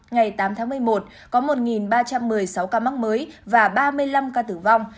ngày tám tháng một mươi một có một ba trăm một mươi sáu ca mắc mới và ba mươi năm ca tử vong